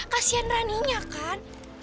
kasian raninya kan